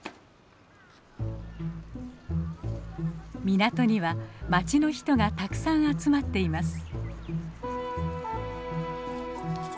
港には町の人がたくさん集まっています。